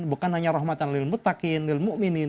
bukan hanya rahmatan lil'mutakin lil'mu'minin